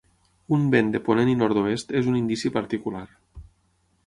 Un vent de ponent i nord-oest és un indici particular.